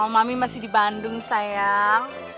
mamami masih di bandung sayang